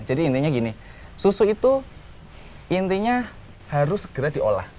jadi intinya gini susu itu intinya harus segera diolah